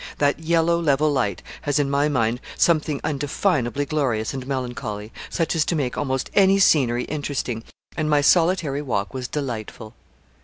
That yellow, level light has, in my mind, something undefinably glorious and melancholy, such as to make almost any scenery interesting, and my solitary walk was delightful.